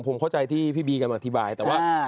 ผมเข้าใจที่พี่บีกำลังอธิบายแต่ว่า